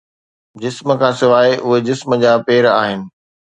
جسم کان سواءِ، اهي جسم جا پير آهن